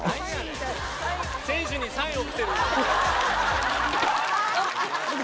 選手にサイン送ってる。